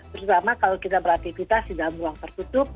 terutama kalau kita beraktivitas di dalam ruang tertutup